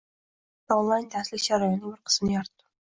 Men yuqorida onlayn darslik jarayonining bir qismini yoritdim